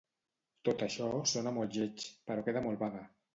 Tot això sona molt lleig, però queda molt vague.